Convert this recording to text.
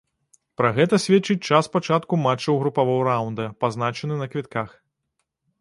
Пра гэта сведчыць час пачатку матчаў групавога раўнда, пазначаны на квітках.